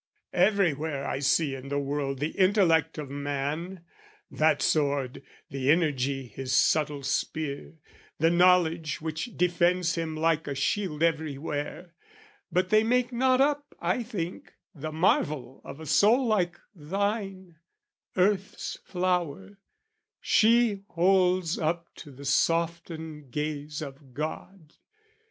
Everywhere I see in the world the intellect of man, That sword, the energy his subtle spear, The knowledge which defends him like a shield Everywhere; but they make not up, I think, The marvel of a soul like thine, earth's flower She holds up to the softened gaze of God!